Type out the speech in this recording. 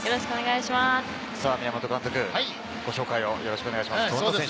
宮本監督、ご紹介をお願いします。